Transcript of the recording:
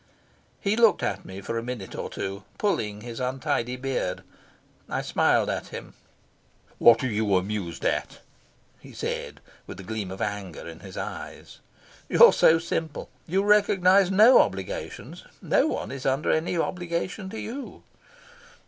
He looked at me for a minute or two, pulling his untidy beard. I smiled at him. "What are you amused at?" he said, with a gleam of anger in his eyes. "You're so simple. You recognise no obligations. No one is under any obligation to you."